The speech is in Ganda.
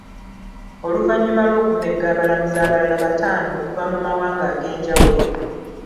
Oluvannyuma lw'okumegga abalamuzi abalala bataano okuva mu mawanga ag'enjawulo.